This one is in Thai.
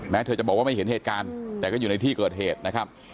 เธอจะบอกว่าไม่เห็นเหตุการณ์แต่ก็อยู่ในที่เกิดเหตุนะครับ